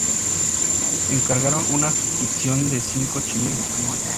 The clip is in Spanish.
Encargaron una suscripción de cinco chelines anuales.